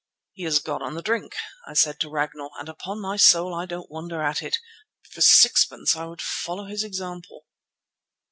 "He has gone on the drink," I said to Ragnall, "and upon my soul I don't wonder at it; for sixpence I would follow his example."